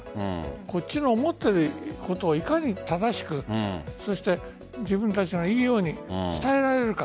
こっちの思っていることをいかに正しく自分たちのいいように伝えられるか。